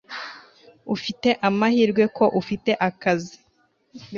ufite amahirwe ko ufite akazi